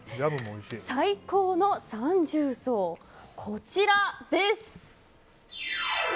最高の三重奏、こちらです。